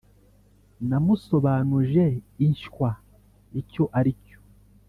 Namusobanuje inshywa icyo ari cyo